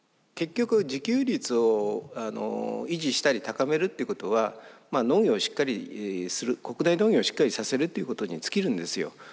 結局自給率を維持したり高めるってことは農業をしっかりする国内農業をしっかりさせるということに尽きるんですよ。